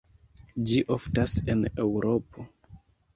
Ĝi oftas en Eŭropo.